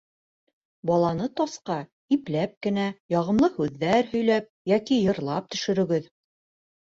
Баланы тасҡа ипләп кенә, яғымлы һүҙҙәр һөйләп йәки йырлап төшөрөгөҙ.